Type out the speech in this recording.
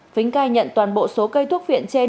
phính cai nhận toàn bộ số cây thuốc viện trên